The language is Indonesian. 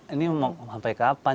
ini sampai kapan